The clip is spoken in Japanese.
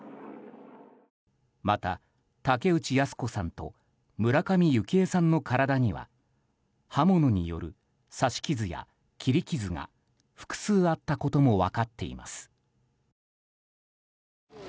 また、竹内靖子さんと村上幸枝さんの体には刃物による刺し傷や切り傷が複数あったことも分かっています。